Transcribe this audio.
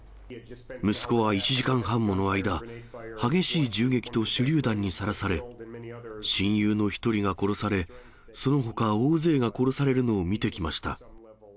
息子は１時間半もの間、激しい銃撃と手りゅう弾にさらされ、親友の１人が殺され、そのほか大勢が殺されるのを見てきました。